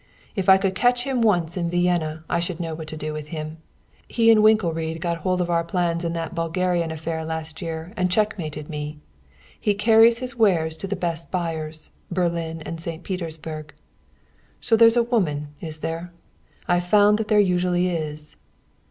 If I could catch him once in Vienna I should know what to do with him! He and Winkelried got hold of our plans in that Bulgarian affair last year and checkmated me. He carries his wares to the best buyers Berlin and St. Petersburg. So there's a woman, is there? I've found that there usually is!"